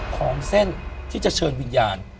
ของเส้นที่จะเชิญวิญญาณ